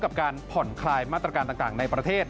กับการผ่อนคลายมาตรการต่างในประเทศ